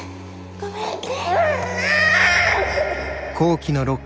ごめんね。